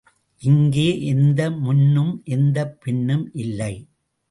இங்கே எந்த முன்னும் எந்தப் பின்னும் இல்லை.